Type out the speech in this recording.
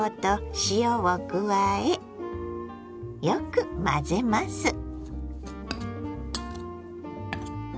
よく混ぜます。